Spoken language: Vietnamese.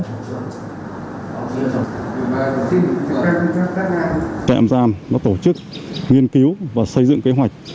trại tạm giam đã tổ chức nghiên cứu và xây dựng kế hoạch